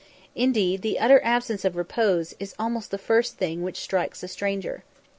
Indeed, the utter absence of repose is almost the first thing which strikes a stranger.